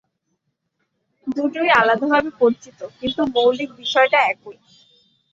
দুটাই আলাদাভাবে পরিচিত, কিন্তু মৌলিক বিষয়টা একই।